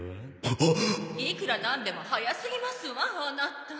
いくらなんでも早すぎますわアナタ。